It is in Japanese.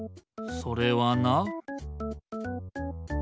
それはな。